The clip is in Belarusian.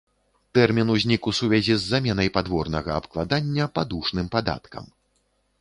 Тэрмін узнік у сувязі з заменай падворнага абкладання падушным падаткам.